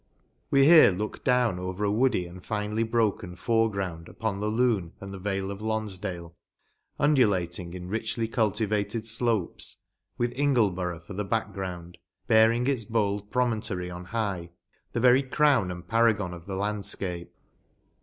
We here looked down over a woody and finely broken fore ground upon the Lune and the vale of Lonfdale, undulating in richly cul tivated flopes, with Ingleborough, for the back ground, bearing its bold promontory on high, the very crown and paragon of O 9 the 196 ENGLAND. the landfcape.